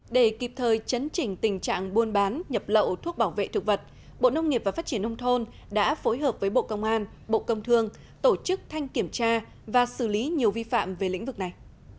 để kịp thời chấn chỉnh tình trạng buôn bán nhập lậu thuốc bảo vệ thực vật bộ nông nghiệp và phát triển nông thôn đã phối hợp với bộ công an bộ công thương tổ chức thanh kiểm tra và xử lý nhiều vi phạm về lĩnh vực này